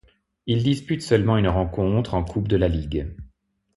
Il dispute seulement une rencontre en Coupe de la Ligue.